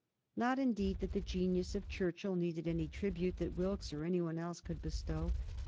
Not, indeed, that the genius of Churchill needed any tribute that Wilkes or any one else could bestow.